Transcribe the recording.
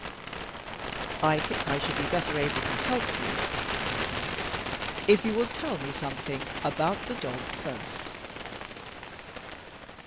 "I think I shall be better able to help you," he said, "if you will tell me something about the dog first."